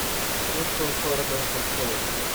Look for a photograph of Tailwind